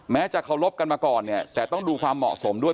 จะเคารพกันมาก่อนเนี่ยแต่ต้องดูความเหมาะสมด้วย